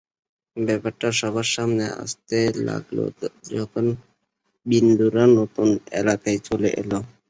ব্যাপারটা সবার সামনে আসতে লাগল যখন বিন্দুরা নতুন এলাকায় চলে এল।